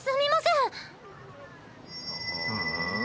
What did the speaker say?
ん？